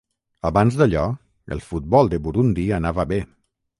Abans d'allò, el futbol de Burundi anava bé.